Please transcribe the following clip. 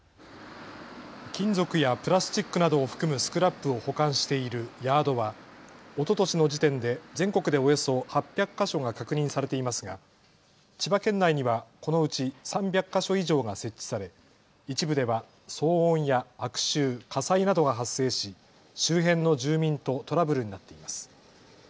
金属やプラスチックなどを含むスクラップを保管しているヤードはおととしの時点で全国でおよそ８００か所が確認されていますが千葉県内にはこのうち３００か所以上が設置され一部では騒音や悪臭、火災などが発生し周辺の住民とトラブルになっています。